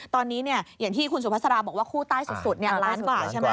ตอนนี้อย่างที่คุณสุภาษาบอกว่าคู่ใต้สุดล้านกว่าใช่ไหม